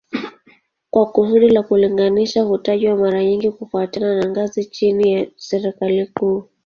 Kwa kusudi la kulinganisha hutajwa mara nyingi kufuatana na ngazi chini ya serikali kuu